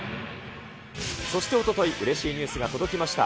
そしておととい、うれしいニュースが届きました。